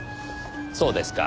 そうですか。